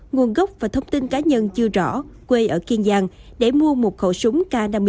nguồn gốc và thông tin cá nhân chưa rõ quê ở kiên giang để mua một khẩu súng k năm mươi tám